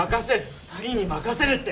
２人に任せるって。